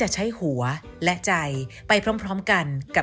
สวัสดีค่ะ